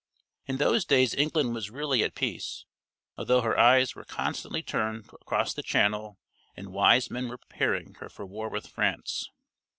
In those days England was really at peace, although her eyes were constantly turned across the Channel and wise men were preparing her for war with France.